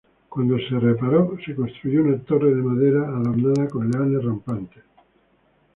Cuando se reparó, se construyó una torre de madera adornada con leones rampantes.